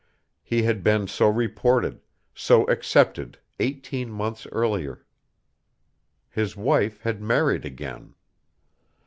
He had been so reported, so accepted eighteen months earlier. His wife had married again.